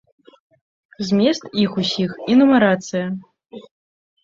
Змест іх усіх і нумарацыя.